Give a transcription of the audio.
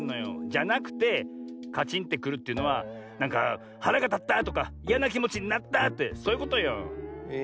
じゃなくてカチンってくるというのはなんかはらがたったとかいやなきもちになったってそういうことよ。